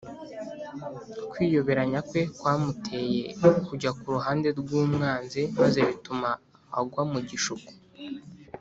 kwiyoberanya kwe kwamuteye kujya ku ruhande rw’umwanzi, maze bituma agwa mu gishuko